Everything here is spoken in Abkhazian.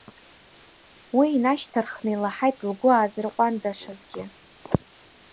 Уи инашьҭарххны илаҳаит лгәы аазырҟәандашазгьы.